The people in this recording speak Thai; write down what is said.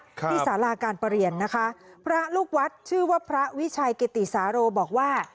ที่สาราการประเรียนนะคะพระลูกวัดชื่อว่าพระวิชัยกิติสาโรบอกว่า